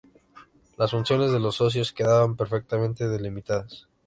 Las funciones de los socios quedaban perfectamente delimitadas.